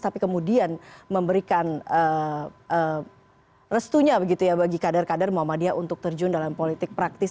tapi kemudian memberikan restunya begitu ya bagi kader kader muhammadiyah untuk terjun dalam politik praktis